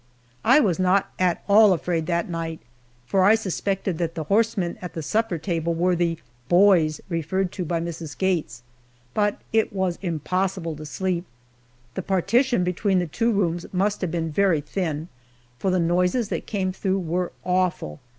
I was not at all afraid that night, for I suspected that the horsemen at the supper table were the "boys" referred to by Mrs. Gates. But it was impossible to sleep. The partition between the two rooms must have been very thin, for the noises that came through were awful.